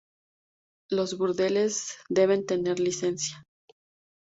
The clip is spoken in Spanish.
Los burdeles deben tener licencia.